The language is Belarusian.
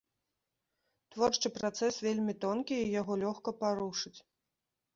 Творчы працэс вельмі тонкі і яго лёгка парушыць.